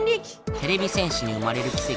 てれび戦士に生まれるきせき